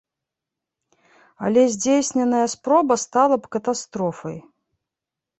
Але здзейсненая спроба стала б катастрофай.